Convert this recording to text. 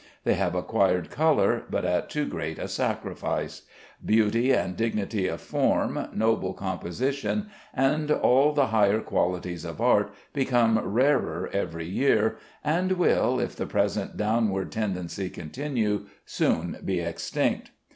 They have acquired color, but at too great a sacrifice. Beauty and dignity of form, noble composition, and all the higher qualities of art, become rarer every year, and will, if the present downward tendency continue, soon be extinct.